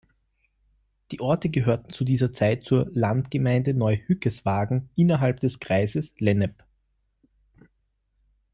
Die Orte gehörten zu dieser Zeit zur Landgemeinde Neuhückeswagen innerhalb des Kreises Lennep.